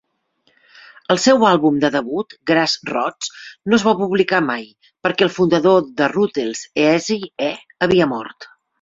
El seu àlbum de debut, "Grass Roots", no es va publicar mai perquè el fundador de Ruthless Eazy-E havia mort.